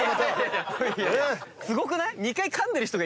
すごくない？